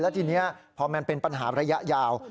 ทีนี้พอมันเป็นปัญหาระยะยาว